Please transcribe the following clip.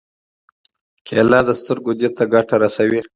کېله د سترګو دید ته ګټه لري.